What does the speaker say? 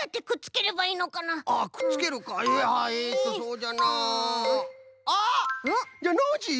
じゃあノージーよ。